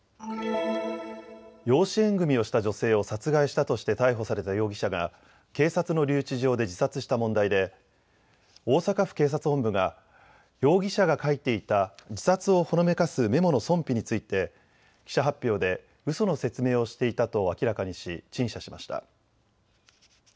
養子縁組みをした女性を殺害したとして逮捕された容疑者が警察の留置場で自殺した問題で大阪府警察本部が、容疑者が書いていた自殺をほのめかすメモの存否について記者発表でうその説明をしていたと明らかにし陳謝しました。